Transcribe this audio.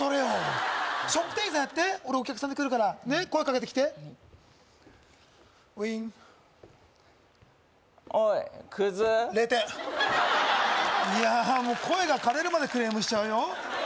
店員さんやって俺お客さんで来るから声かけてきてウィーンおいクズ０点いやあもう声がかれるまでクレームしちゃうよ